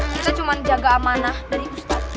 kita cuma jaga amanah dari ustaz